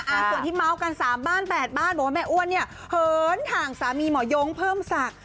ส่วนที่เมาส์กันสามบ้านแปดบ้านบอกว่าแม่อ้วนเนี่ยเหินห่างสามีหมอยงเพิ่มศักดิ์